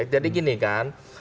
jadi gini kan